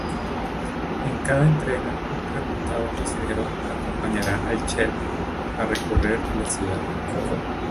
En cada entrega un reputado cocinero acompañará al chef a recorrer la ciudad.